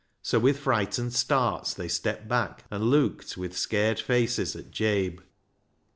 So with frightened starts they stepped back, and looked with scared faces at Jabe.